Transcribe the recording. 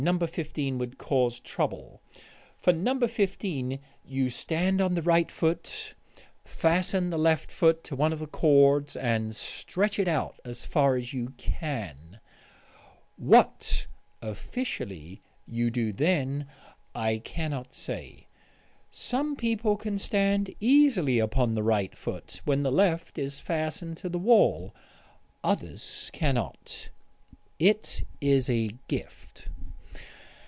15 would cause trouble. For No. 15 you stand on the right foot, fasten the left foot to one of the cords, and stretch it out as far as you can.... What officially you do then, I cannot say.... Some people can stand easily upon the right foot when the left is fastened to the wall ... others cannot.... It is a gift....